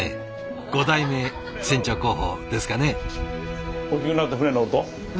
５代目船長候補ですかね？